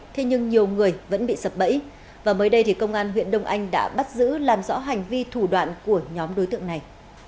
thế nhưng nhiều người vẫn bị sập bẫy và mới đây thì công an huyện đông anh đã bắt giữ làm rõ hành vi thủ đoạn của nhóm đối tượng này